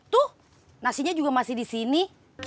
tuh nasinya juga masih di sini